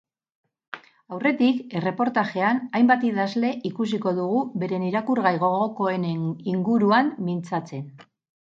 Aurretik, erreportajean, hainbat idazle ikusiko dugu beren irakurgai gogokoenen inguruan mintzatzen.